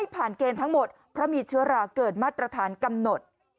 เพราะมีเชื้อราเกิดมาตรฐานกำหนด